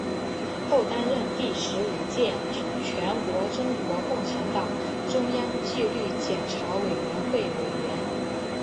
后担任第十五届全国中国共产党中央纪律检查委员会委员。